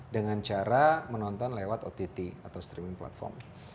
dengan cara menonton lewat ott atau streaming platform